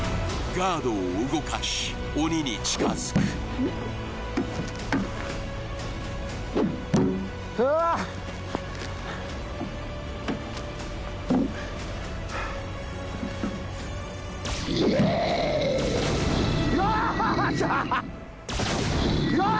ガードを動かし鬼に近づくうわっよーっしゃーっ！